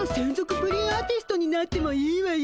プリンアーティストになってもいいわよ。